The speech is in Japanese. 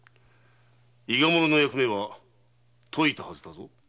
伊賀者の役目は解いたはずだぞ。